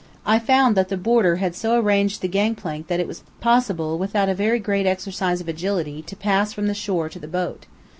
I found that the boarder had so arranged the gang plank that it was possible, without a very great exercise of agility, to pass from the shore to the boat.